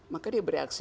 maka dia bereaksi